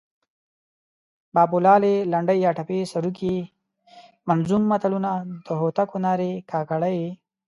بابولالې، لنډۍ یا ټپې، سروکي، منظوم متلونه، د هوتکو نارې، کاکړۍ